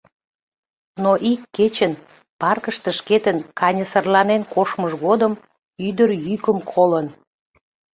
Но ик кечын паркыште шкетын каньысырланен коштмыж годым ӱдыр йӱкым колын: